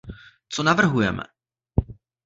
Co navrhujeme?